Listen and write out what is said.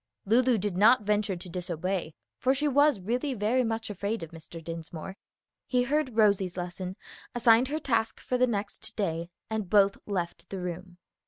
Lulu did not venture to disobey, for she was really very much afraid of Mr. Dinsmore. He heard Rosie's lesson, assigned her task for the next day, and both left the room.